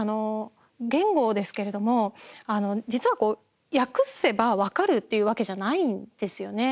言語ですけれども実は、訳せば分かるというわけじゃないんですよね。